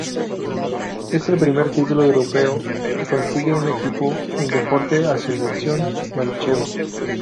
Es el primer título europeo que consigue un equipo en deporte asociación manchego.